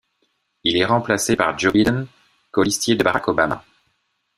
Il est remplacé par Joe Biden, colistier de Barack Obama.